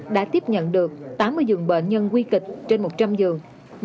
đã tiếp nhận được tám mươi dương bệnh nhân nguy kịch trên một trăm linh dương